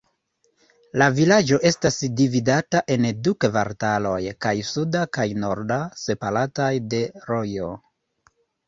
La vilaĝo estas dividata en du kvartaloj, kaj suda kaj norda, separataj de rojo.